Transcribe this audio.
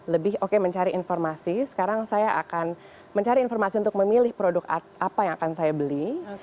lebih oke mencari informasi sekarang saya akan mencari informasi untuk memilih produk apa yang akan saya beli